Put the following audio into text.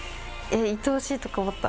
いとおしいとか思った？